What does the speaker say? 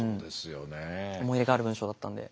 思い入れがある文章だったんで。